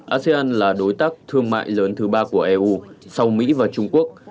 asean là đối tác thương mại lớn thứ ba của eu sau mỹ và trung quốc